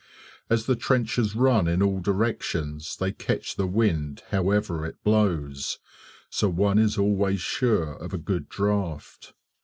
As the trenches run in all directions they catch the wind however it blows, so one is always sure of a good draught.